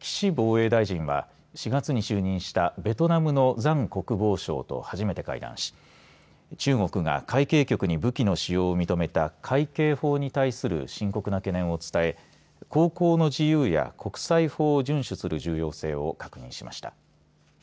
岸防衛大臣は４月に就任したベトナムのザン国防相と初めて会談し中国が海警局に武器の使用を認めた海警法に対する深刻な懸念を伝え航行の自由や国際法を順守する重要性を確認しました。